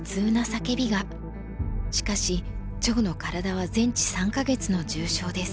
しかし趙の体は全治３か月の重傷です。